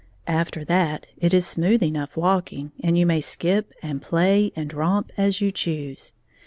After that it is smooth enough walking, and you may skip and play and romp as you choose.